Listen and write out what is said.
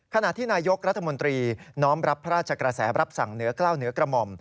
ขณะที่นายกรัฐมนตรีน้อมรับพระราชกระแสรับสั่งเหนือกล้าวเหนือกระหม่อม